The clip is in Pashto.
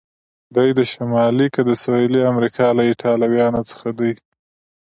دی د شمالي که د سهیلي امریکا له ایټالویانو څخه دی؟